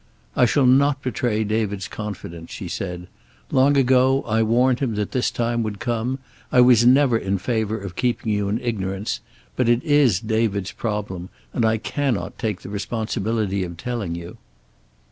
"I shall not betray David's confidence," she said. "Long ago I warned him that this time would come. I was never in favor of keeping you in ignorance. But it is David's problem, and I cannot take the responsibility of telling you."